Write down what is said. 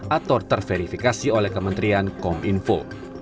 atau terverifikasi oleh kementerian kominfo